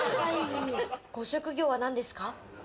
ご職業は何ですか？